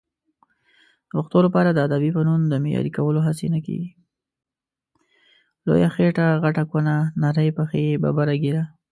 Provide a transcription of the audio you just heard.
لويه خيټه غټه کونه، نرۍ پښی ببره ږيره